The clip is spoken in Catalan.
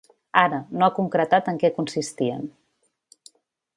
Ara, no ha concretat en què consistien.